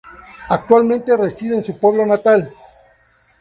Actualmente reside en su pueblo natal.